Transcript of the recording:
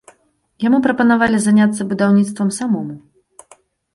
Яму прапанавалі заняцца будаўніцтвам самому.